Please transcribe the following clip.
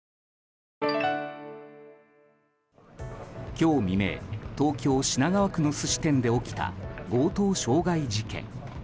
今日未明東京・品川区の寿司店で起きた強盗傷害事件。